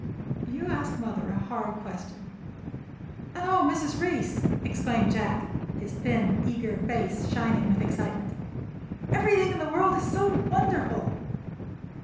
"You ask mother a hard question." "And oh, Mrs. Reece," exclaimed Jack, his thin, eager face shining with excitement, "everything in the world is so wonderful!"